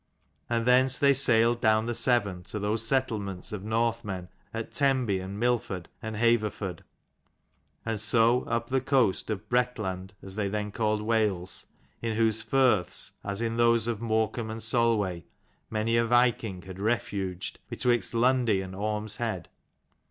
And thence they sailed down the Severn to those settlements of Northmen at Tenby and Milford and Haver ford ; and so up the coast of Bretland, as they then called Wales, in whose firths, as in those of Morecambe and Solway, may a viking had refuged, betwixt Lund ey and Orm's Head.